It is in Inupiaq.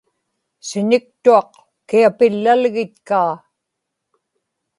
siñiktuaq kiapillalgitkaa